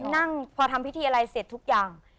นั่งพอทำพิธีอะไรเสร็จทุกอย่าง